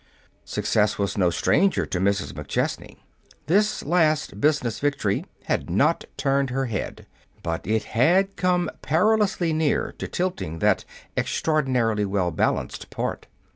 Success was no stranger to Mrs. McChesney. This last business victory had not turned her head. But it had come perilously near to tilting that extraordinarily well balanced part.